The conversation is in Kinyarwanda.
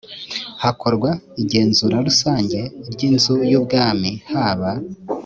hakorwa igenzura rusange ry inzu y ubwami haba